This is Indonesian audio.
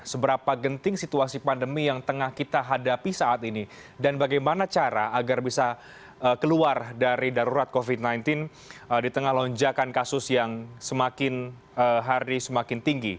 seberapa genting situasi pandemi yang tengah kita hadapi saat ini dan bagaimana cara agar bisa keluar dari darurat covid sembilan belas di tengah lonjakan kasus yang semakin hari semakin tinggi